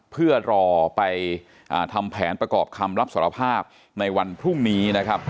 เพื่อรอไปทำแผนประกอบคำรับสารภาพในวันพรุ่งนี้นะครับ